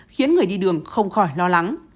khiến người đi đường không khỏi lo lắng